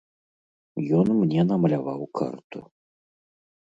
Ён мне намаляваў карту.